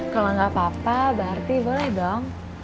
kalau nggak apa apa berarti boleh dong